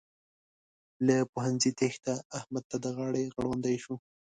له پوهنځي تېښته؛ احمد ته د غاړې غړوندی شو.